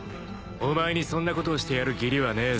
お前にそんなことをしてやる義理はねえぞ。